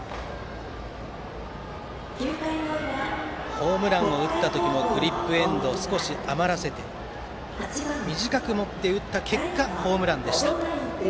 ホームランを打った時はグリップエンドを少し余らせて短く持って打った結果ホームランでした。